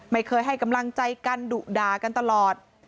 ไม่เคยให้กำลังใจกันดุด่ากันตลอด